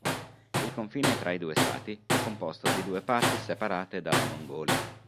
Il confine tra i due stati è composto di due parti separate dalla Mongolia.